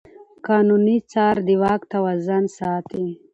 قانوني څار د واک توازن ساتي.